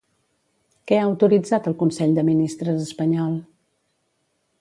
Què ha autoritzat el Consell de Ministres espanyol?